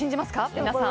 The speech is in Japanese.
皆さん。